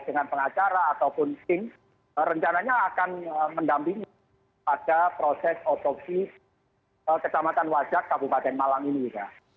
dengan pengacara ataupun tim rencananya akan mendampingi pada proses otopsi kecamatan wajak kabupaten malang ini juga